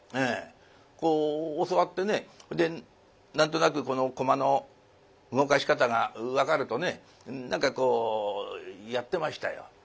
こう教わってねで何となく駒の動かし方が分かるとね何かこうやってましたよ。